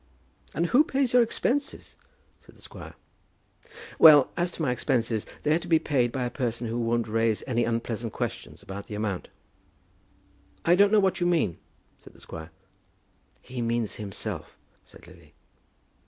"And who pays your expenses?" said the squire. "Well; as to my expenses, they are to be paid by a person who won't raise any unpleasant questions about the amount." "I don't know what you mean," said the squire. "He means himself," said Lily.